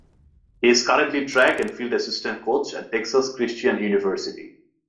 He is currently track and field Assistant Coach at Texas Christian University.